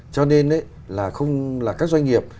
cho nên là không là các doanh nghiệp